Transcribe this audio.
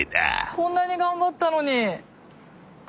こんなに頑張ったのに。